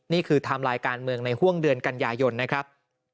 นี่คือทำลายการเมืองในห่วงเดือนกันยายนนะครับ